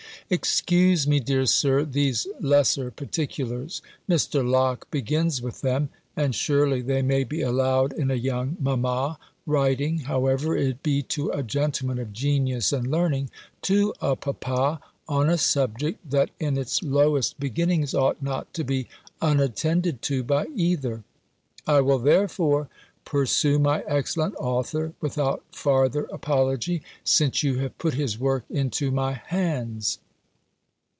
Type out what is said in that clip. Excuse me, dear Sir, these lesser particulars. Mr. Locke begins with them; and surely they may be allowed in a young mamma, writing (however it be to a gentleman of genius and learning) to a papa, on a subject, that in its lowest beginnings ought not to be unattended to by either. I will therefore pursue my excellent author without farther apology, since you have put his work into my hands.